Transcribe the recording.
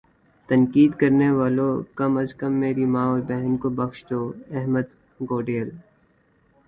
تنقید کرنے والو کم از کم میری ماں اور بہن کو بخش دو احمد گوڈیل